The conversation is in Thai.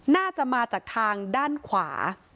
น่าจะมาจากทางด้านขวา